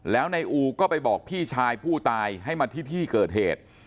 แล้วนายอู็ไปบอกพี่ชายผู้ตายให้มาที่ที่เกิดเหตุ